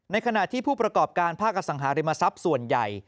ขณะที่ผู้ประกอบการภาคอสังหาริมทรัพย์ส่วนใหญ่